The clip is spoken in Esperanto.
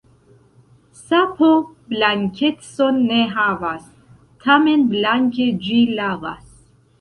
Sapo blankecon ne havas, tamen blanke ĝi lavas.